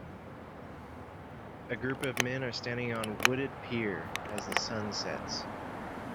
A group of men are standing on wooded pier as the sun sets.